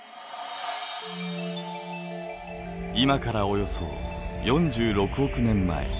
今からおよそ４６億年前。